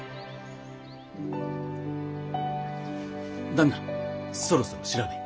旦那そろそろ調べに。